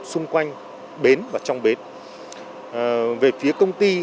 xung quanh bến xe hà nội